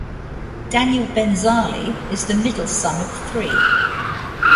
Daniel Benzali is the middle son of three.